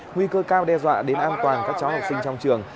nguy cơ cao đe dọa đến an toàn các cháu học sinh trong trường